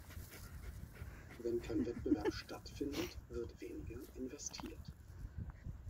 Wenn kein Wettbewerb stattfindet, wird weniger investiert.